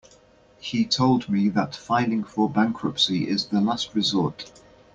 He told me that filing for bankruptcy is the last resort.